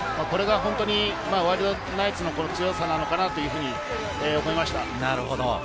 これが本当にワイルドナイツの強さなのかなというふうに思いました。